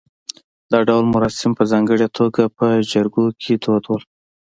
دا ډول مراسم په ځانګړې توګه په جریکو کې دود و